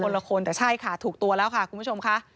ละคนแต่ใช่ค่ะถูกตัวแล้วค่ะคุณผู้ชมค่ะ